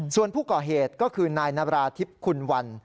ส่วนผู้ก่อเหตุก็คือนายนาราธิบคุณวัน